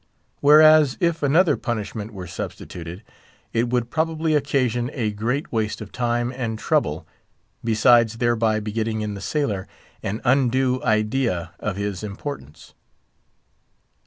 Whereas, if another punishment were substituted, it would probably occasion a great waste of time and trouble, besides thereby begetting in the sailor an undue idea of his importance.